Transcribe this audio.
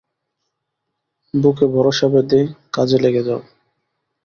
বুকে ভরসা বেঁধে কাজে লেগে যাও।